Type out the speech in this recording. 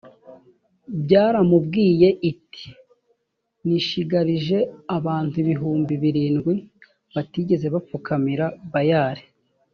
b yaramubwiye iti nishigarije abantu ibihumbi birindwi batigeze bapfukamira bayali